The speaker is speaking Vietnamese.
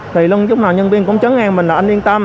thì lúc nào nhân viên cũng chớ nghe mình là anh liên tâm